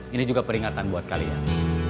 ini juga peringatan buat kalian